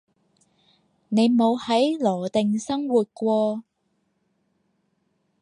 你冇喺羅定生活過